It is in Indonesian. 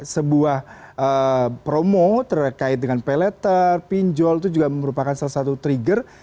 sebuah promo terkait dengan pay letter pinjol itu juga merupakan salah satu trigger